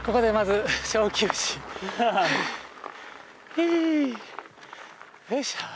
ひよいしょ。